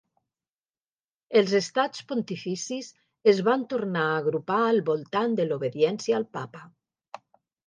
Els Estats Pontificis es van tornar a agrupar al voltant de l'obediència al Papa.